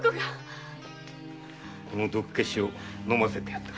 この毒消しを飲ませてやってくれ。